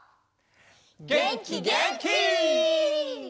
げんきげんき！